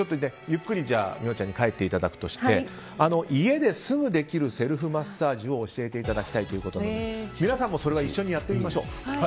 ゆっくり美桜ちゃんに帰っていただくとして家ですぐできるセルフマッサージを教えていただきたいということで皆さんも一緒にやってみましょう。